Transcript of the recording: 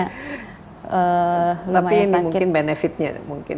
tapi ini mungkin benefitnya